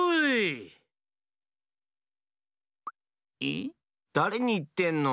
だれにいってんの？